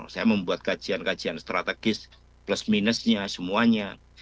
saya membuat kajian kajian strategis plus minusnya semuanya